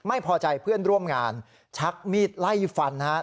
ไม่พอใจเพื่อนร่วมงานชักมีดไล่ฟันนะครับ